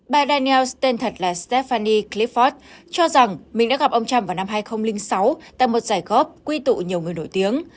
bà daniels tên thật là stephanie clifford cho rằng mình đã gặp ông trump vào năm hai nghìn sáu tại một giải góp quy tụ nhiều người nổi tiếng